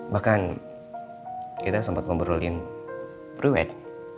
bukan kita sempet ngobrolin ruwet